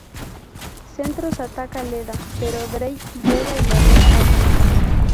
Centros ataca Leda, pero Drake llega y la rescata.